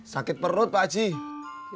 sakit perut pakcik